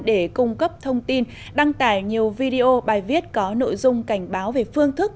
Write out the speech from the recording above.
để cung cấp thông tin đăng tải nhiều video bài viết có nội dung cảnh báo về phương thức